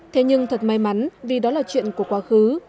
thế nhưng thật may mắn vì đó là chuyện của quá khứ